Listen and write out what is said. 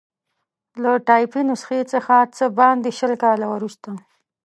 له ټایپي نسخې څخه څه باندې شل کاله وروسته.